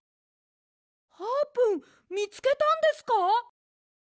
あーぷんみつけたんですか？